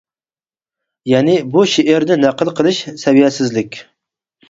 يەنى، بۇ شېئىرنى نەقىل قىلىش سەۋىيەسىزلىك.